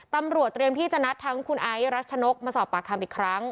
เตรียมที่จะนัดทั้งคุณไอซ์รัชนกมาสอบปากคำอีกครั้ง